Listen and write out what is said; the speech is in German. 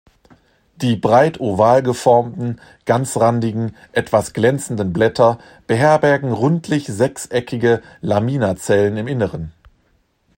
Die breit oval geformten, ganzrandigen, etwas glänzenden Blätter beherbergen rundlich sechseckige Laminazellen im Inneren.